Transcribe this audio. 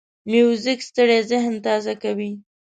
موزیک ستړی ذهن تازه کوي.